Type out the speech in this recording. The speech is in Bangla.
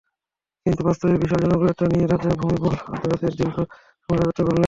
কিন্তু বাস্তবে বিশাল জনপ্রিয়তা নিয়ে রাজা ভুমিবল আদুলিয়াদেজ দীর্ঘ সময় রাজত্ব করেছেন।